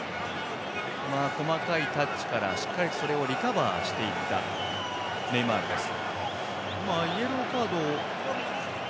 細かいタッチからしっかりリカバーしていったネイマールです。